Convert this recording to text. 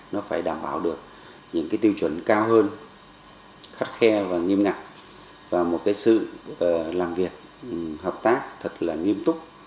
nó phải đảm bảo được những cái tiêu chuẩn cao hơn khắt khe và nghiêm ngặt và một cái sự làm việc hợp tác thật là nghiêm túc